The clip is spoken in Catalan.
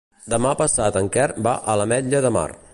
Demà passat en Quer va a l'Ametlla de Mar.